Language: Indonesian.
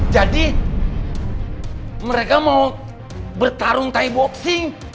jadi mereka mau bertarung thai boxing